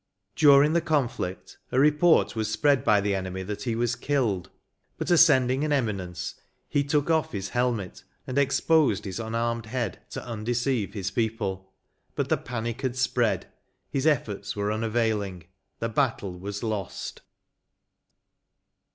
During the conflict, a report was spread by the enemy, that he was killed ; but asceading an emi nence, he took off his helmet, and exposed his unarmed head to undeceive his people: but the panic had spread; his efforts were unavailing; the battle was lost.